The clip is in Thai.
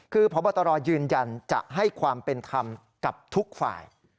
คือพบตรยืนยันจะให้ความเป็นธรรมกับทุกฝ่าย